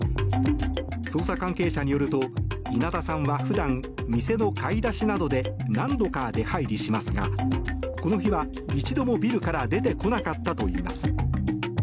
捜査関係者によると稲田さんは普段店の買い出しなどで何度か出入りしますがこの日は一度も、ビルから出てこなかったといいます。